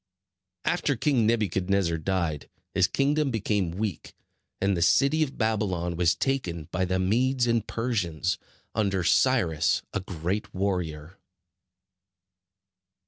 After King Nebuchadnezzar died, his kingdom became weak, and the city of Babylon was taken by the Medes and Persians, under Cyrus, a great warrior.